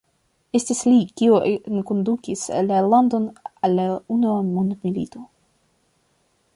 Estis li, kiu enkondukis la landon al la Unua mondmilito.